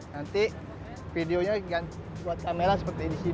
nanti videonya buat kamera seperti ini